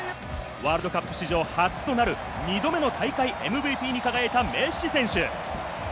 ワールドカップ史上初となる２度目の大会ＭＶＰに輝いたメッシ選手。